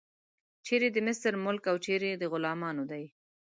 چیرې د مصر ملک او چیرې د غلامانو دی.